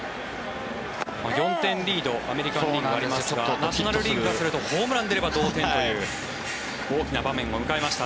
４点リードアメリカン・リーグナショナル・リーグからするとホームランが出れば同点という大きな場面を迎えました